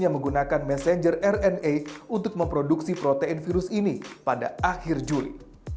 yang menggunakan messenger rna untuk memproduksi protein virus ini pada akhir juli